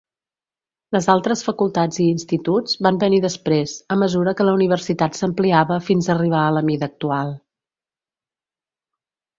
Les altres facultats i instituts van venir després, a mesura que la universitat s'ampliava fins arribar a la mida actual.